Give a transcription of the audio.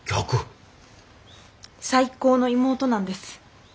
最高の妹なんです。